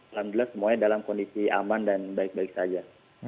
alhamdulillah semuanya dalam kondisi aman dan baik baik saja